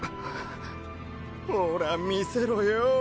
ほら見せろよ。